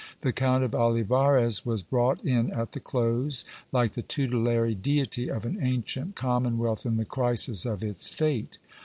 The Count of Olivarez was 404 GIL BLAS. brought in at the close, like the tutelary deity of an ancient commonwealth in the crisis of its fate.